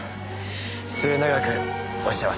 末永くお幸せに。